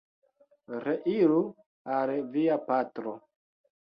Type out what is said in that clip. Reiru al via patro!